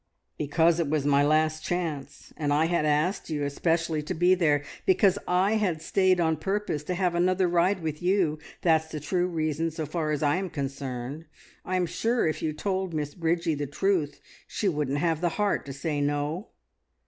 "Because it was my last chance, and I had asked you especially to be there. Because I had stayed on purpose to have another ride with you! That's the true reason, so far as I am concerned. I am sure, if you told Miss Bridgie the truth, she wouldn't have the heart to say No."